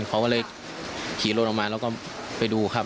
เขาก็เลยขี่รถออกมาแล้วก็ไปดูครับ